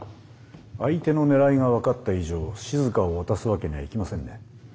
相手の狙いが分かった以上しずかを渡すわけにはいきませんね。